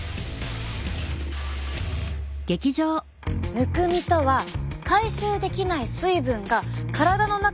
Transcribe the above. むくみとは回収できない水分が体の中にたまってしまった状態。